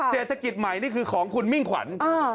เศรษฐกิจใหม่นี่คือของคุณมิ่งขวัญ